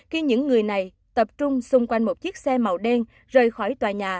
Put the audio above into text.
khi những người này tập trung xung quanh một chiếc xe màu đen rời khỏi tòa nhà